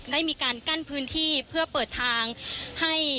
ได้มีการกั้นพื้นที่เพื่อเปิดทางให้